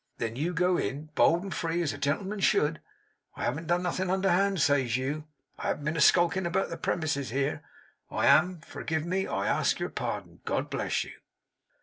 'Then you go in, bold and free as a gentleman should. "I haven't done nothing under handed," says you. "I haven't been skulking about the premises, here I am, for give me, I ask your pardon, God Bless You!"